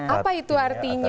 apa itu artinya